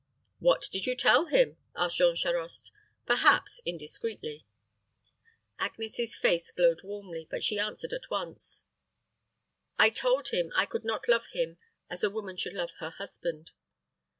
"What did you tell him?" asked Jean Charost, perhaps indiscreetly. Agnes's face glowed warmly, but she answered at once, "I told him I could not love him as a woman should love her husband."